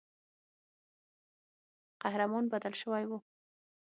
قهرمان بدل سوی وو.